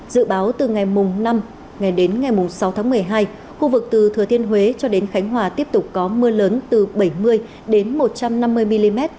dự báo từ ngày năm đến ngày sáu tháng một mươi hai khu vực từ thừa thiên huế cho đến khánh hòa tiếp tục có mưa lớn từ bảy mươi đến một trăm năm mươi mm